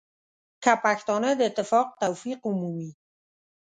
که پښتانه د اتفاق توفیق ومومي.